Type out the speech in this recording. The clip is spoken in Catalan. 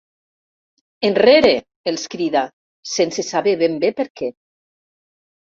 Enrere —els crida, sense saber ben bé per què.